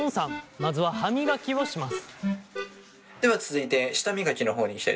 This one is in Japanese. まずは歯磨きをします。